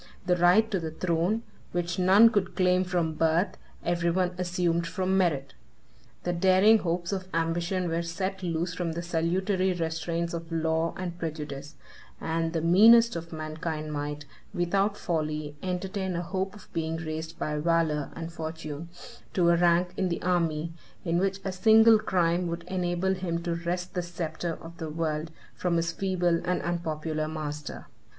The right to the throne, which none could claim from birth, every one assumed from merit. The daring hopes of ambition were set loose from the salutary restraints of law and prejudice; and the meanest of mankind might, without folly, entertain a hope of being raised by valor and fortune to a rank in the army, in which a single crime would enable him to wrest the sceptre of the world from his feeble and unpopular master.